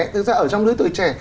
thực ra ở trong lứa tuổi trẻ